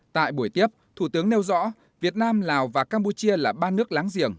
tại buổi tiếp thủ tướng nêu rõ việt nam lào và campuchia là ba nước láng giềng